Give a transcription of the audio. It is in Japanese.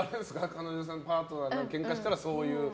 彼女さん、パートナーとケンカしたら、そういう？